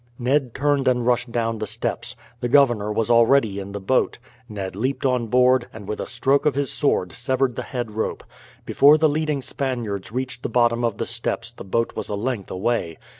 Ned turned and rushed down the steps. The governor was already in the boat. Ned leaped on board, and with a stroke of his sword severed the head rope. Before the leading Spaniards reached the bottom of the steps the boat was a length away.